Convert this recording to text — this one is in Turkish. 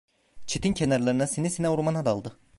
Çitin kenarlarına sine sine ormana daldı.